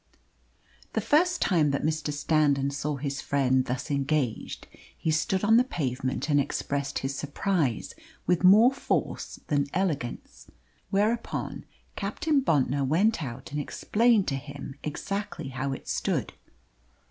The first time that Mr. Standon saw his friend thus engaged he stood on the pavement and expressed his surprise with more force than elegance; whereupon Captain Bontnor went out and explained to him exactly how it stood.